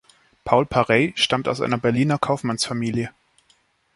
Paul Parey stammt aus einer Berliner Kaufmannsfamilie.